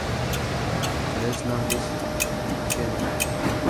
Les Landes-Genusson